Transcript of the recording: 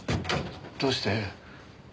どうして。